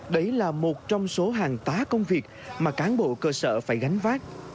đấy là một trong số hàng tá công việc mà cán bộ cơ sở phải gánh vác